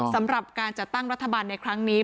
สำหรับการจัดตั้งรัฐบาลในครั้งนี้